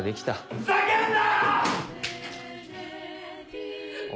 ふざけんな！